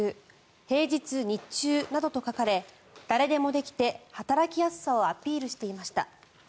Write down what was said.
平日日中などと書かれ誰でもできて、働きやすさをアピールしていました。